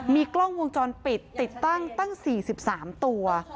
มีกล้องวงจรปิดติดตั้งตั้ง๔๓ตัว